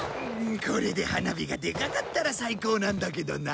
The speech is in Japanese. これで花火がでかかったら最高なんだけどな。